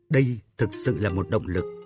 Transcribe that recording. đây thực sự là một động lực